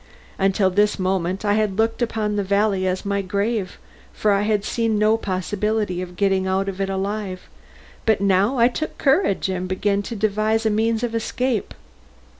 Until this moment I had looked upon the valley as my grave, for I had seen no possibility of getting out of it alive, but now I took courage and began to devise a means of escape.